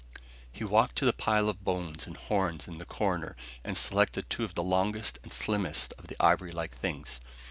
He walked to the pile of bones and horns in the corner and selected two of the longest and slimmest of the ivory like things.